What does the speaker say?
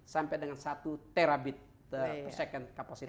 sampai dengan satu terabit per second kapasitas